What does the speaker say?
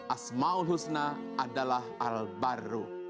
asmaul husna adalah al barr